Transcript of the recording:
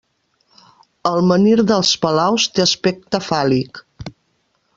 El menhir dels Palaus té aspecte fàl·lic.